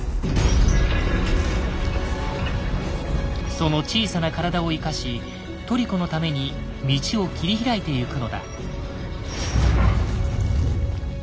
その小さな体を生かしトリコのために道を切り開いてゆくのだ。